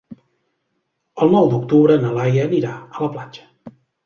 El nou d'octubre na Laia anirà a la platja.